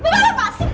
bapak bahasin karim